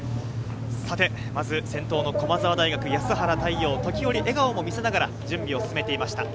さてまず先頭の駒澤大学・安原太陽、時折、笑顔も見せながら準備を進めていました。